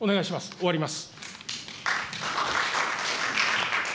終わります。